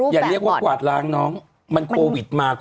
อย่าเรียกว่ากวาดล้างมันกวอดวิดมา